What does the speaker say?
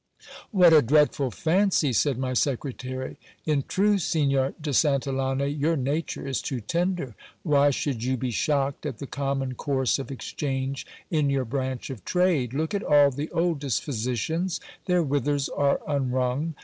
What a dreadful fancy ! said my secretary. In truth, Signor de Santillane, your nature is too tender. Why should you be shocked at the common course of exchange in your branch of trade ? Look at all the oldest physicians : their withers are unwrung.